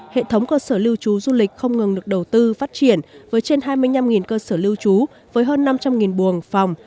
hệ thống cơ sở lưu trú du lịch không ngừng được đầu tư phát triển với trên hai mươi năm cơ sở lưu trú với hơn năm trăm linh buồng phòng